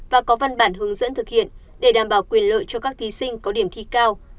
và có văn bản hướng dẫn thực hiện để đảm bảo quyền lợi cho các thí sinh có điểm thi cao